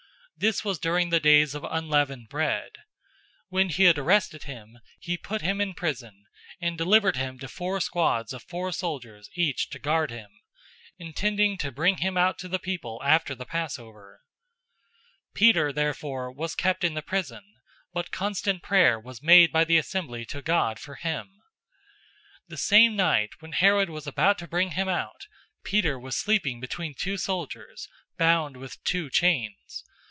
This was during the days of unleavened bread. 012:004 When he had arrested him, he put him in prison, and delivered him to four squads of four soldiers each to guard him, intending to bring him out to the people after the Passover. 012:005 Peter therefore was kept in the prison, but constant prayer was made by the assembly to God for him. 012:006 The same night when Herod was about to bring him out, Peter was sleeping between two soldiers, bound with two chains.